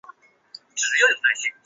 后被召回为左御史大夫。